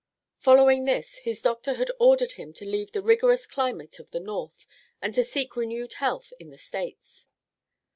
Following this, his doctor had ordered him to leave the rigorous climate of the North and to seek renewed health in the States.